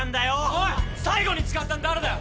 おい最後に使ったの誰だよ？